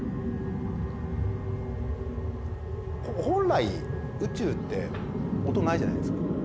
本来、宇宙って音ないじゃないですか。